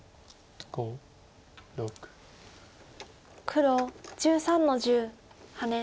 黒１３の十ハネ。